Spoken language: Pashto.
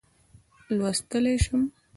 لوستلای شم.